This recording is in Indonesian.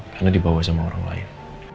karena dibawa sama orang lain